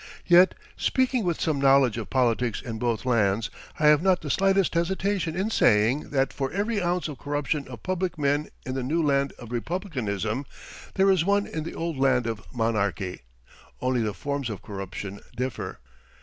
Yet, speaking with some knowledge of politics in both lands, I have not the slightest hesitation in saying that for every ounce of corruption of public men in the new land of republicanism there is one in the old land of monarchy, only the forms of corruption differ.